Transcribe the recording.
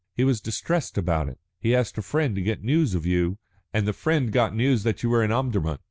He was distressed about it; he asked a friend to get news of you, and the friend got news that you were in Omdurman.